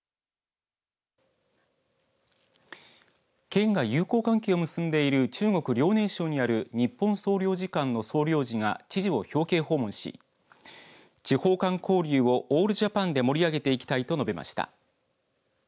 県が友好関係を結んでいる中国遼寧省にある日本総領事館の総領事が知事を表敬訪問し地方間交流をオールジャパンで盛り上げていきたいと述べました。